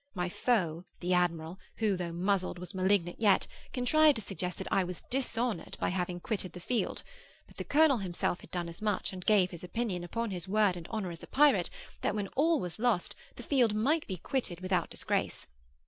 My foe, the admiral, who though muzzled was malignant yet, contrived to suggest that I was dishonoured by having quitted the field. But the colonel himself had done as much, and gave his opinion, upon his word and honour as a pirate, that when all was lost the field might be quitted without disgrace.